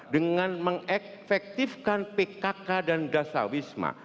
dengan mengefektifkan pkk dan dasar wisma